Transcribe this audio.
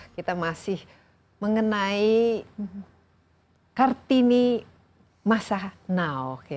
kita masih mengenai kartini masa now